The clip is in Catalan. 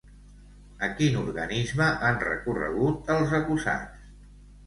A quin organisme han recorregut els acusats?